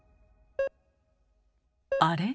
あれ？